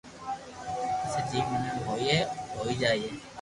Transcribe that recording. پسي جيم سھي ھوئي ھوئي جائين